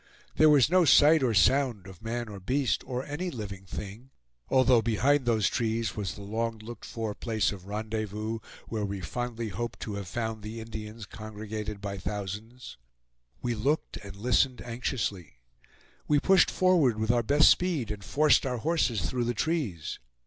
There was no sight or sound of man or beast, or any living thing, although behind those trees was the long looked for place of rendezvous, where we fondly hoped to have found the Indians congregated by thousands. We looked and listened anxiously. We pushed forward with our best speed, and forced our horses through the trees.